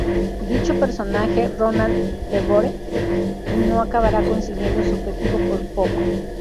Dicho personaje, Ronald DeVore, no acabará consiguiendo su objetivo por poco.